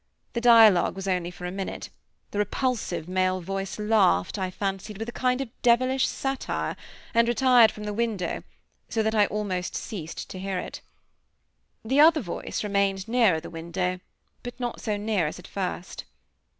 The dialogue was only for a minute; the repulsive male voice laughed, I fancied, with a kind of devilish satire, and retired from the window, so that I almost ceased to hear it. The other voice remained nearer the window, but not so near as at first.